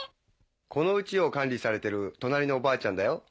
この家を管理されてる隣のおばあちゃんだよ。